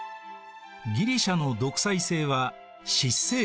ギリシアの独裁政は執政官。